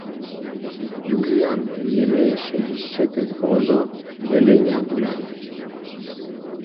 Julian njeměješe hišće te zbožo jelenja wuhladać.